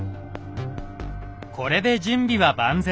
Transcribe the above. これで準備は万全。